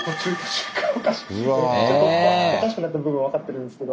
おかしくなってる部分は分かってるんですけど。